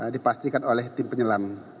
dipastikan oleh tim penyelam